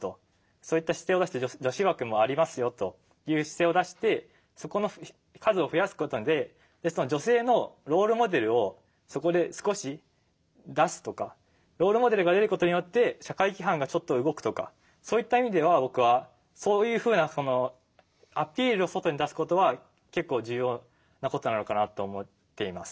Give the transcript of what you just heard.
そういった姿勢を出して女子枠もありますよという姿勢を出してそこの数を増やすことで女性のロールモデルをそこで少し出すとかロールモデルが出ることによって社会規範がちょっと動くとかそういった意味では僕はそういうふうなアピールを外に出すことは結構重要なことなのかなと思っています。